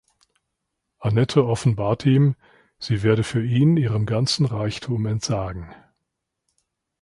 Annette offenbart ihm, sie werde für ihn ihrem ganzen Reichtum entsagen.